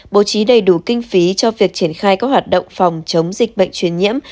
bổ trí đầy đủ kinh phí cho việc triển khai các hoạt động phòng chống dịch bệnh chuyên nhiễm